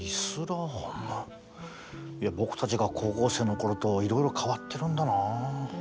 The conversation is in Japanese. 僕たちが高校生の頃といろいろ変わってるんだな。